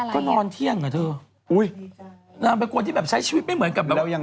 ก็ไม่เห็นจะมีอาจารย์ลักษณ์พูดนะ